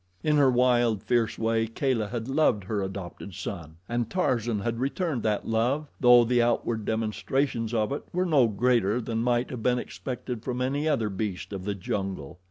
In her wild, fierce way Kala had loved her adopted son, and Tarzan had returned that love, though the outward demonstrations of it were no greater than might have been expected from any other beast of the jungle.